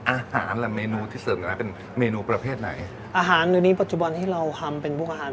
อาหารล่ะเมนูที่เสิร์ฟอยู่แล้วเป็นเมนูประเภทไหนอาหารเดี๋ยวนี้ปัจจุบันที่เราทำเป็นพวกอาหาร